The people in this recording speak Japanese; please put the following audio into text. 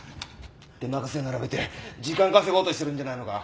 出任せ並べて時間稼ごうとしてるんじゃないのか？